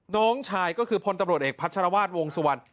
น้องชายก็คือพลตำรวจเอกพัชรวาสวงสุวรรณ